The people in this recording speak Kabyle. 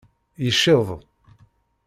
Yecceḍ.